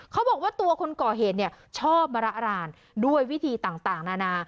เขาบอกว่าตัวคนก่อเหตุเนี่ยชอบมาระรานด้วยวิธีต่างนานา